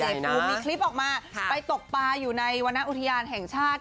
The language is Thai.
ภูมิมีคลิปออกมาไปตกปลาอยู่ในวรรณอุทยานแห่งชาติ